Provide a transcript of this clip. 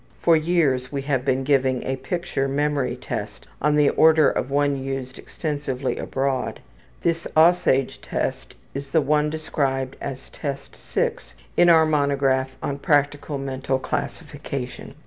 For years we have been giving a picture memory test on the order of one used extensively abroad. This ``Aussage'' Test is the one described as Test VI in our monograph on Practical Mental Classification.